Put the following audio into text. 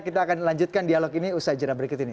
kita akan lanjutkan dialog ini usai jenah berikut ini